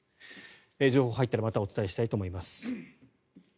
情報が入ったらまたお伝えしたいと思います。